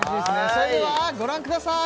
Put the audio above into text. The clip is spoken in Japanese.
それではご覧ください